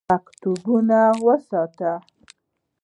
مکتبونه وساتئ